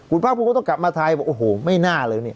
คุณภาคภูมิก็ต้องกลับมาไทยโอ้โหไม่น่าเลย